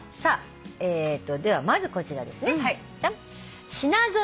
ではまずこちらですね。